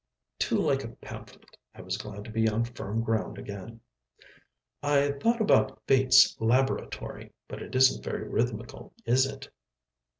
"Too like a pamphlet," I was glad to be on firm ground again. "I thought about 'Fate's Laboratory,' but it isn't very rhythmical, is it?"